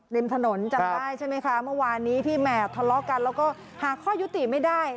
ริมถนนจำได้ใช่ไหมคะเมื่อวานนี้ที่แห่ทะเลาะกันแล้วก็หาข้อยุติไม่ได้